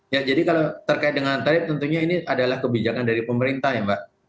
ya jadi kalau terkait dengan tarif tentunya ini adalah kebijakan dari pemerintah ya mbak